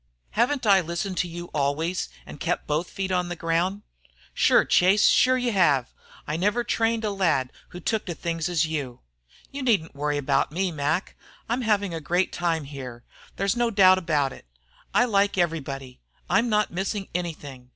"Haven't I listened to you always and kept both feet on the ground?" "Shure, Chase, shure you have. I never trained a lad who took to things as you." "You needn't worry about me, Mac. I'm having a great time here, there's no doubt about it. I like everybody. I'm not missing anything.